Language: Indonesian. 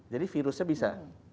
jadi virusnya bisa